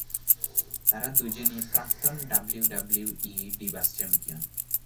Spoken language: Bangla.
তারা দুজনই প্রাক্তন ডব্লিউডব্লিউই ডিভাস চ্যাম্পিয়ন।